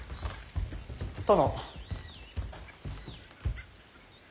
殿。